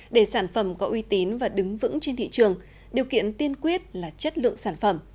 để sản phẩm có uy tín và đứng vững trên thị trường điều kiện tiên quyết là chất lượng sản phẩm